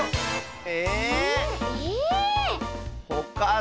え？